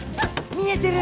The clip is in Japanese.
見えてる。